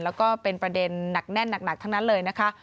แล้วก็เป็นประเด็นหนักแน่นหนักทั้งนั้นเลยนะคะ